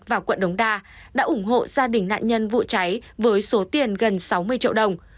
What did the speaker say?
và quận đống đa đã ủng hộ gia đình nạn nhân vụ cháy với số tiền gần sáu mươi triệu đồng